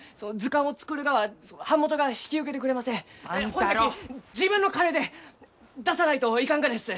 ほんじゃき自分の金で出さないといかんがです！